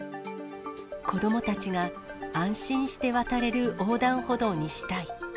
子どもたちが安心して渡れる横断歩道にしたい。